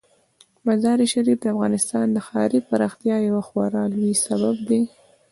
مزارشریف د افغانستان د ښاري پراختیا یو خورا لوی سبب دی.